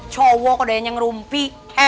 cowok dayanya ngerumpi